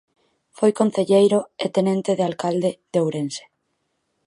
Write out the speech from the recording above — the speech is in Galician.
Foi concelleiro e tenente de alcalde de Ourense.